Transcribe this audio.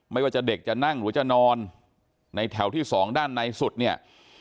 ไม่ว่าจะเด็กจะนั่งหรือจะนอนในแถวที่สองด้านในสุดเนี่ย